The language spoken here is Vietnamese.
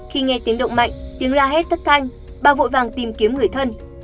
khi nghe tiếng động mạnh tiếng la hét thất thanh bà vội vàng tìm kiếm người thân